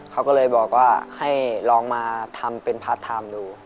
เขาก็เลยบอกว่าให้ลองมาทำเป็นพาร์ทไทม์ดู